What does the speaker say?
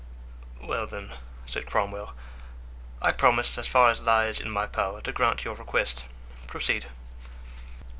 "Well, then," said Cromwell, "I promise, as far as lies in my power, to grant your request; proceed."